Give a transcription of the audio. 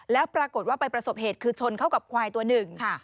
แล้วปรากฏว่าไปประสบเหตุคือชนเข้ากับควายตัวหนึ่ง